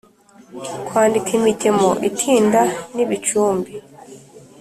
kwandika imigemo itinda nibicumbi